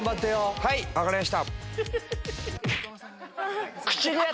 はい分かりました。